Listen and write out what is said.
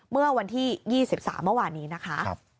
เมื่อวันที่๒๓เมื่อวานนี้นะคะ